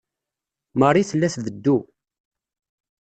Marie tella tbeddu.